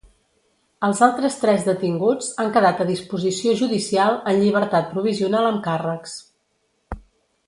Els altres tres detinguts han quedat a disposició judicial, en llibertat provisional amb càrrecs.